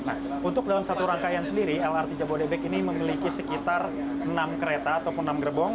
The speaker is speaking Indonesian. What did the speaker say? nah untuk dalam satu rangkaian sendiri lrt jabodebek ini memiliki sekitar enam kereta ataupun enam gerbong